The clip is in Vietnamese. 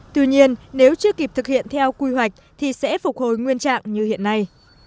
tuy nhiên nếu chưa kịp thực hiện theo quy hoạch thì sẽ phục hồi nguyên trạng như hiện nay